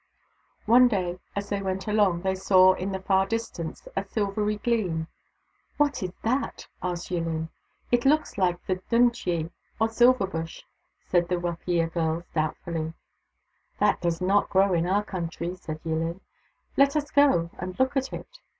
One day, as they went along, they saw in the far distance a silvery gleam. " What is that ?" asked Yilhn. " It looks like the duntyi, or silver bush," said the Wapiya girls, doubtfully. " That does not grow in our country," said Yillin. " Let us go and look at it."